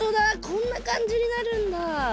こんな感じになるんだ。